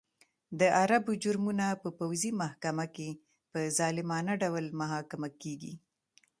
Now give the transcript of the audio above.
د عربو جرمونه په پوځي محکمه کې په ظالمانه ډول محاکمه کېږي.